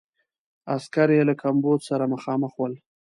عسکر یې له کمبود سره مخامخ ول.